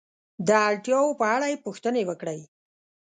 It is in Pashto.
د اړتیاو په اړه یې پوښتنې وکړئ.